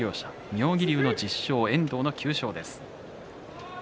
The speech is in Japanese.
妙義龍の１０勝遠藤の９勝です。